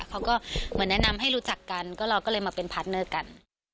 เขาก็เหมือนแนะนำให้รู้จักกันก็เราก็เลยมาเป็นพาร์ทเนอร์กัน